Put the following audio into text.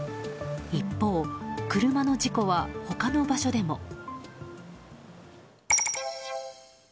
一方、車の事故は他の場所でも。